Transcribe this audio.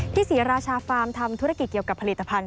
ศรีราชาฟาร์มทำธุรกิจเกี่ยวกับผลิตภัณฑ